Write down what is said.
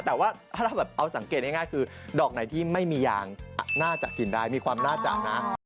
แต่ว่าถ้าแบบเอาสังเกตง่ายคือดอกไหนที่ไม่มียางน่าจะกินได้มีความน่าจะนะ